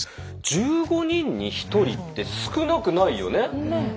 １５人に１人って少なくないよね？